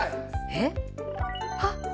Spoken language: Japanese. えっ？あっ！